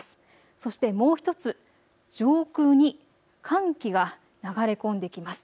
そしてもう１つ、上空に寒気が流れ込んできます。